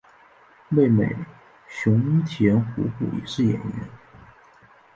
妹妹熊田胡胡也是演员。